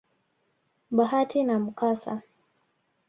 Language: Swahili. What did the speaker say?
bahati na mkasa.